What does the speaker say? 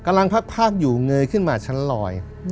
กำลังพักอยู่เงยขึ้นมาชั้นลอย